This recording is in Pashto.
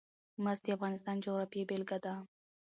مس د افغانستان د جغرافیې بېلګه ده.